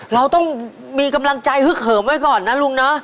เราต้องมีกำลังใจฮึกเหิมไว้ก่อนนะลุงนะ